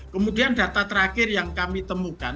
kemudian data terakhir yang kami temukan